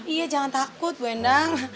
iya jangan takut bu endang